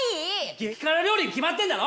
激辛料理に決まってんだろ！